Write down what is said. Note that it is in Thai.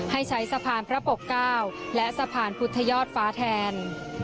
ให้ใช้สะพานพระปกเก้าและสะพานพุทธยอดฟ้าแทน